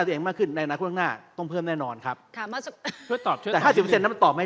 เท่าไหร่ครับในบริโดยทั้งหน้าครับ